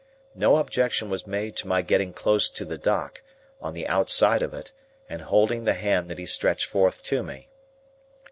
No objection was made to my getting close to the dock, on the outside of it, and holding the hand that he stretched forth to me.